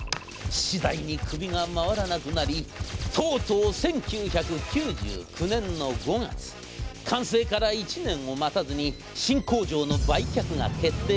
次第に首が回らなくなりとうとう、１９９９年の５月完成から１年を待たずに新工場の売却が決定。